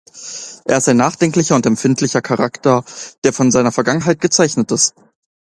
Er ist ein nachdenklicher und empfindlicher Charakter, der von seiner Vergangenheit gezeichnet ist.